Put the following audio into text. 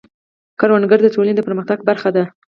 کروندګر د ټولنې د پرمختګ برخه دی